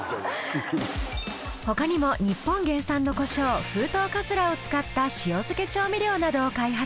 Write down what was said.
他にも日本原産の胡椒フウトウカズラを使った塩漬け調味料などを開発。